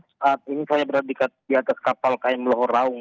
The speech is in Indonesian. saat ini saya berada di atas kapal km lohor raung